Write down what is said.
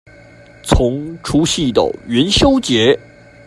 從除夕到元宵節